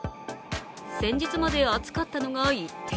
先日まで暑かったのが一転。